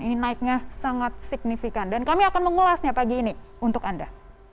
ini naiknya sangat signifikan dan kami akan mengulasnya pagi ini untuk anda